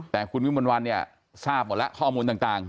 แต่คุณวิมวลวันเนี่ยทราบหมดแล้วข้อมูลต่าง